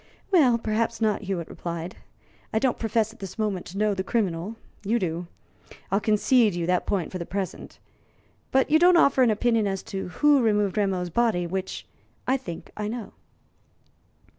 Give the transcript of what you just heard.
"Well, perhaps not," Hewitt replied. "I don't profess at this moment to know the criminal; you do. I'll concede you that point for the present. But you don't offer an opinion as to who removed Rameau's body which I think I know."